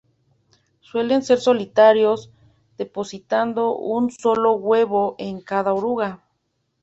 Suelen ser solitarios, depositando un solo huevo en cada oruga.